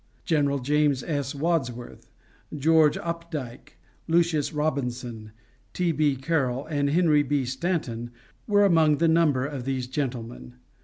General James S. Wadsworth, George Opdyke, Lucius Robinson, T. B. Carroll, and Henry B. Stanton were among the number of these gentlemen.